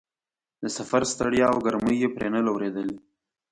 د سفر ستړیا او ګرمۍ یې پرې نه لورېدلې.